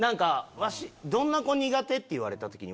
どんな子苦手？って言われた時に。